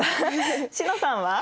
詩乃さんは？